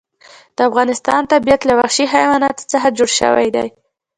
د افغانستان طبیعت له وحشي حیواناتو څخه جوړ شوی دی.